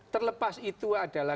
terlepas itu adalah